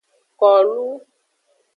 Kolu.